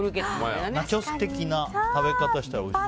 ナチョス的な食べ方したらおいしそう。